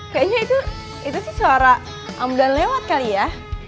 kayanya itu itu sih suara ambulan lewat kali ya